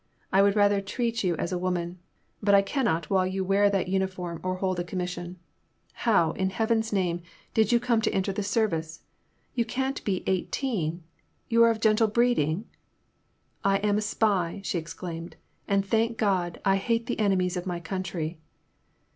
I would rather treat you as a woman, but I cannot while you wear that uniform or hold a commission. How, in Heaven's name, did you come to enter the service ? You can't be eighteen — ^you are of gentle breeding ?"'' I am a spy !she exclaimed, '' and I thank God, and I hate the enemies of my country